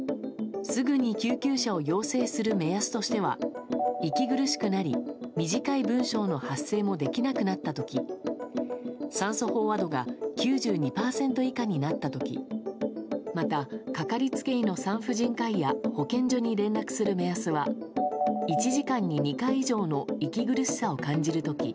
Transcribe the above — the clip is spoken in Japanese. すぐに救急車を要請する目安としては、息苦しくなり短い文章の発声もできなくなった時酸素飽和度が９２％以下になった時またかかりつけ医の産婦人科医や保健所に連絡する目安は１時間に２回以上の息苦しさを感じる時。